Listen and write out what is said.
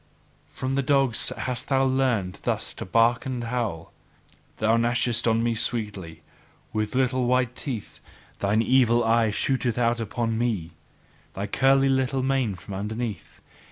From the dogs hast thou learned thus to bark and howl. Thou gnashest on me sweetly with little white teeth; thine evil eyes shoot out upon me, thy curly little mane from underneath!